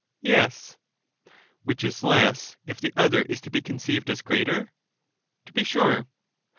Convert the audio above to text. ^ Yes. Which is less, if the other is to be conceived as greater? To be sure.